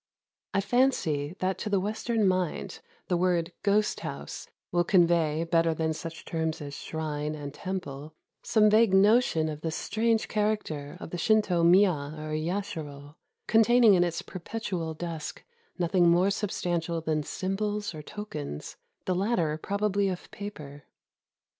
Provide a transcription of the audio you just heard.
I fancy that to the Western mind the word "ghost house" will convey, better than such terms as "shrine" and " temple," some vague notion of the strange character of the Shinto miya or yashiro, — containing in its perpetual dusk nothing more substantial than symbols or tokens, the latter probably of paper.